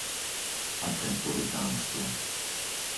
Aké puritánstvo.